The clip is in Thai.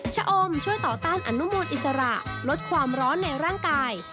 ชะอมช่วยต่อต้านอนุมูลอิสระลดความร้อนในร่างกาย